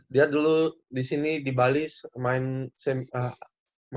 dia dulu di sini di bali main sepak bola